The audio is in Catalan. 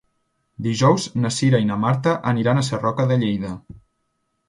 Dijous na Cira i na Marta aniran a Sarroca de Lleida.